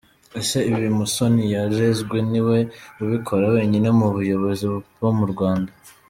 Ese ibi Musoni yarezwe ni we ubikora wenyine mu bayobozi bo mu Rwanda?